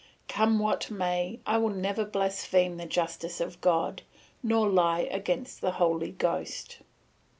Come what may, I will never blaspheme the justice of God, nor lie against the Holy Ghost.